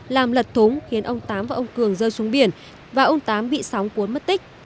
làm lật thúng khiến ông tám và ông cường rơi xuống biển và ông tám bị sóng cuốn mất tích